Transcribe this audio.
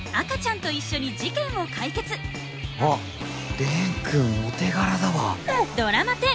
あっ蓮くんお手柄だわ。